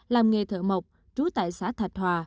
làm nghề thợ mộc trú tại xã thạch hòa